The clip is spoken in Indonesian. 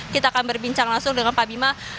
kita akan berbincang langsung dengan pak bima